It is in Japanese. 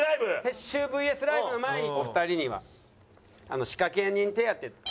撤収ＶＳライブの前にお二人には仕掛け人手当。